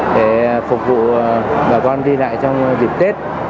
để phục vụ bà con đi lại trong dịp tết